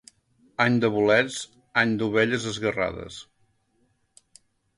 Any de bolets, any d'ovelles esguerrades.